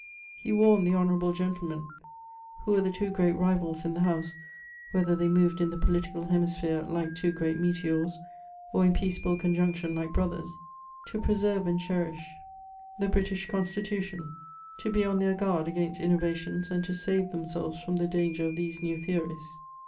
He warned the honourable gentlemen who were the two great rivals in the house (whether they moved in the political hemisphere Eke two great meteors, or in peaceable conjuncdon like brothers) to preserve and dierish the British C<HisdUitioii — ^to be on thdr guard against innova tioBs, and to save themsdves from the danger o£ these new theories.